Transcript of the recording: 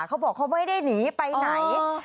เขาบอกเขาไม่ได้หนีไปไหน